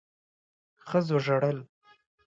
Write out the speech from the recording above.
ښځو ژړل